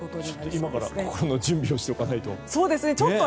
今から心の準備をしておかないと。